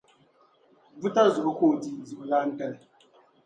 Buta zuɣu ka o di zuɣulaan'tali.